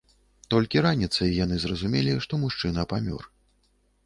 Толькі раніцай яны зразумелі, што мужчына памёр.